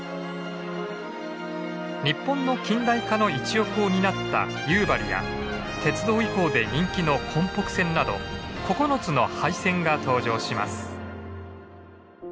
日本の近代化の一翼を担った夕張や鉄道遺構で人気の根北線など９つの廃線が登場します。